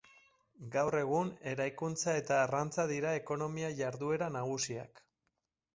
Gaur egun, eraikuntza eta arrantza dira ekonomia-jarduera nagusiak.